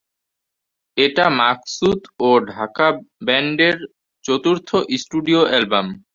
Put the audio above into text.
এটা মাকসুদ ও ঢাকা ব্যান্ডের চতুর্থ স্টুডিও অ্যালবাম।